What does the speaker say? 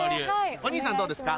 お兄さんどうですか？